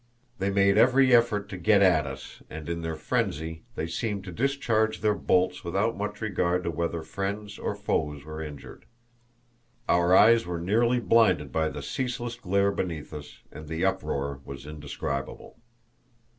They made every effort to get at us, and in their frenzy they seemed to discharge their bolts without much regard to whether friends or foes were injured. Our eyes were nearly blinded by the ceaseless glare beneath us, and the uproar was indescribable.